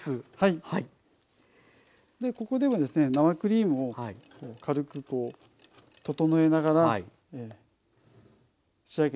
ここでも生クリームを軽くこう整えながら仕上げていきます。